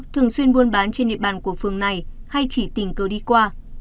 thường xuyên buôn bán trên địa bàn của phường này hay chỉ tỉnh cơ đi qua